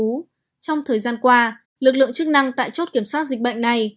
trong thời gian qua lực lượng chức năng tại chốt kiểm soát dịch bệnh này